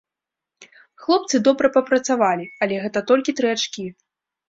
Хлопцы добра папрацавалі, але гэта толькі тры ачкі.